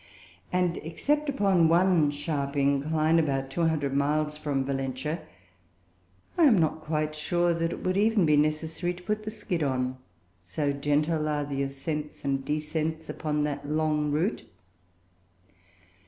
And, except upon one sharp incline about 200 miles from Valentia, I am not quite sure that it would even be necessary to put the skid on, so gentle are the ascents and descents upon that long route.